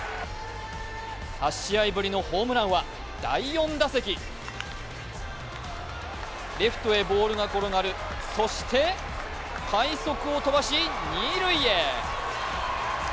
８試合ぶりのホームランは、第４打席レフトへボールが転がる、そして快足を飛ばし二塁へ。